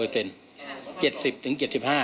๗๐ถึง๗๕